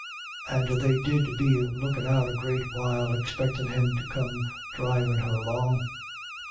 And they did be lookin' out a great while, expectin' him to come dhrivin' her along.